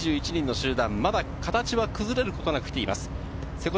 ２１人の集団、まだ形が崩れることなく来ています。